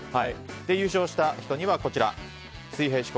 優勝した人には水平思考